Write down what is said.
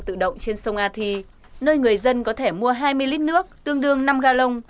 tự động trên sông a thi nơi người dân có thể mua hai mươi lít nước tương đương năm galong